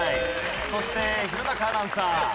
そして弘中アナウンサー。